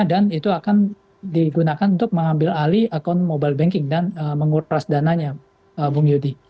dan itu akan digunakan untuk mengambil alih account mobile banking dan mengutras dananya bung yudi